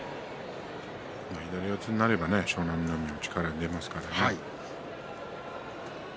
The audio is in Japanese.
左四つになれば湘南乃海力が出ますからね。